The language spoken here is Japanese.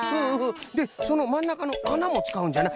でそのまんなかのあなもつかうんじゃな。